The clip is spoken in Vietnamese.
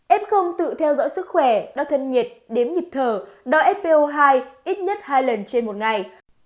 ép không tự theo dõi sức khỏe đo thân nhiệt đếm nhịp thở đo spo hai ít nhất hai lần trên một ngày